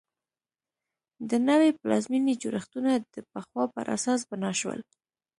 د نوې پلازمېنې جوړښتونه د پخوا پر اساس بنا شول.